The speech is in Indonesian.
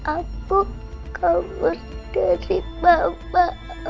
aku kabur dari papa